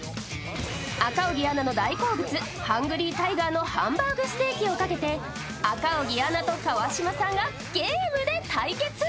赤荻アナの大好物ハングリータイガーのハンバーグステーキをかけて、赤荻アナと川島さんがゲームで対決。